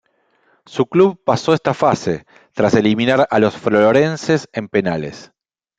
Su club pasó esta fase, tras eliminar a los "florenses" en penales.